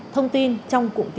thông tin trong cụm tin